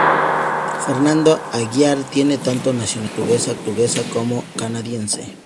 Fernando Aguiar tiene tanto nacionalidad portuguesa como canadiense.